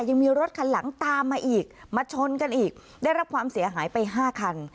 ยังมีรถคันหลังตามมาอีกมาชนกันอีกได้รับความเสียหายไปห้าคัน